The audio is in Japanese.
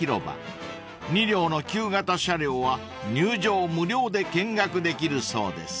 ［２両の旧型車両は入場無料で見学できるそうです］